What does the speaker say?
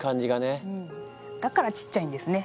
うんだからちっちゃいんですね